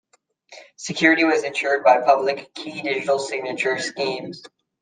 Security was ensured by public key digital signature schemes.